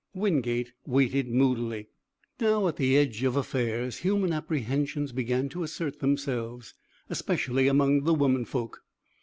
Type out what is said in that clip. Wingate waited moodily. Now at the edge of affairs human apprehensions began to assert themselves, especially among the womenfolk.